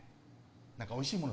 何かおいしいもの